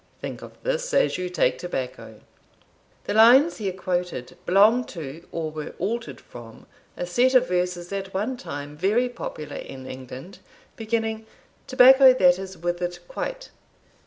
Think of this as you take tobacco." [The lines here quoted belong to or were altered from a set of verses at one time very popular in England, beginning, _Tobacco that is withered quite.